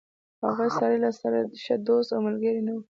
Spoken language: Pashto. هغه سړی له سره ښه دوست او ملګری نه و.